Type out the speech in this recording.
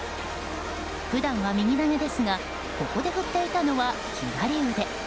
普段は右投げですがここで振っていたのは左腕。